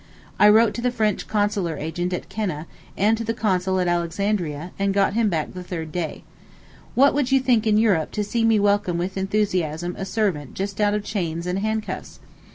I wrote to the French Consular agent at Keneh, and to the Consul at Alexandria, and got him back the third day. What would you think in Europe to see me welcome with enthusiasm a servant just out of chains and handcuffs?